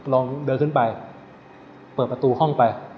ลองเดินขึ้นไปเปิดประตูห้องไป